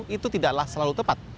itu tidaklah selalu tepat